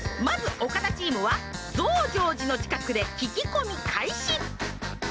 まずおかだチームは増上寺の近くで聞き込み開始。